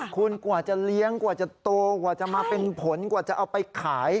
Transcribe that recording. คุณกว่าจะเลี้ยงกว่าจะโตกว่าจะมาเป็นผลกว่าจะเอาไปขาย